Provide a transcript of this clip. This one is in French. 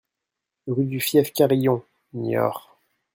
Rue du Fief Carillon, Niort